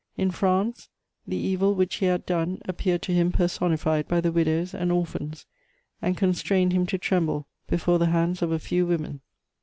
In France, the evil which he had done appeared to him personified by the widows and orphans, and constrained him to tremble before the hands of a few women.